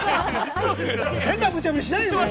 変なむちゃぶりしないでよ。